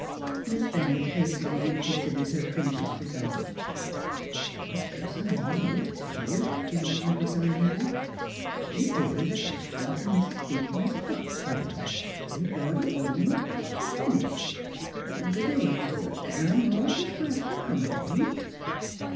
Miss Bennett hastily reconsidered her previous resolve. " I guess I may 's well tell you," she murmured resignedly. " This 'ere is a cos tume f'r Mis' Dea coness Buckthorn. I brought it home t' t' finish off b' day's work. ... I'm al'ays glad t' 'com modate."